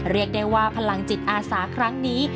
เรียกได้ว่าพลังจิตอาสาครั้งนี้